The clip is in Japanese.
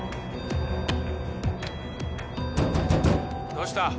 どうした？